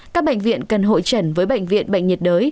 các bệnh viện cần hội trần với bệnh viện bệnh nhiệt đới